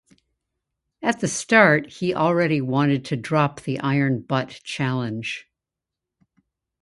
At the start he already wanted to drop the Iron Butt challenge.